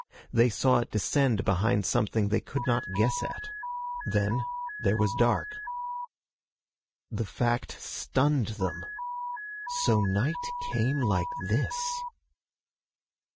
They saw it descend behind something they could not guess at. Then there was dark. The fact stunned them. So night came like this!